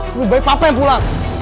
lebih baik apa yang pulang